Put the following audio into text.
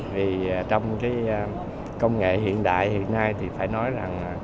vì trong cái công nghệ hiện đại hiện nay thì phải nói rằng